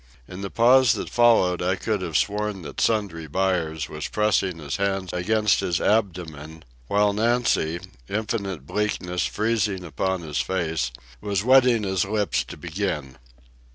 In the pause that followed I could have sworn that Sundry Buyers was pressing his hands against his abdomen, while Nancy, infinite bleakness freezing upon his face, was wetting his lips to begin.